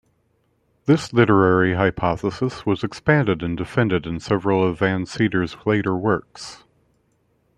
This literary hypothesis was expanded and defended in several of Van Seters' later works.